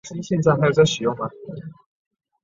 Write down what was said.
芦莉草属又名双翅爵床属是爵床科下的一个属。